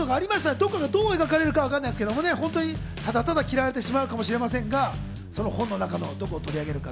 どこをどう描かれるかわかりませんけど、ただただ嫌われてしまうかもしれませんが、本の中のどこを取り上げるか。